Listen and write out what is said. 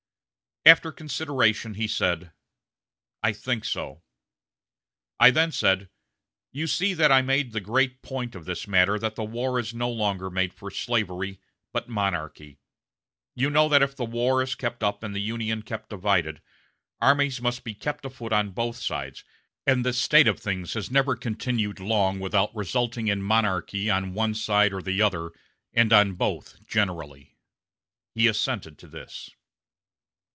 After consideration, he said: 'I think so.' I then said, 'You see that I make the great point of this matter that the war is no longer made for slavery, but monarchy. You know that if the war is kept up and the Union kept divided, armies must be kept afoot on both sides, and this state of things has never continued long without resulting in monarchy on one side or the other, and on both generally.' He assented to this."